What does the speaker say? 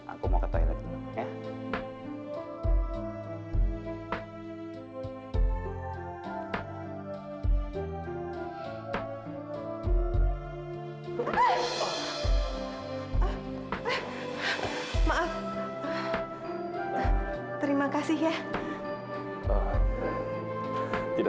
aku mau ke toilet ini ya